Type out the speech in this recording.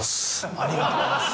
ありがとうございます。